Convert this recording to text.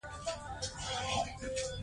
په جامو کې یې یو تار هم وچ پاتې نه و.